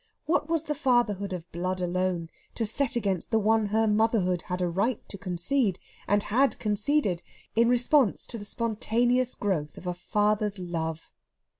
What was the fatherhood of blood alone to set against the one her motherhood had a right to concede, and had conceded, in response to the spontaneous growth of a father's love?